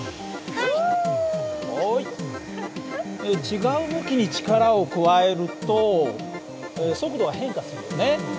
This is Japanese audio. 違う向きに力を加えると速度は変化するよね。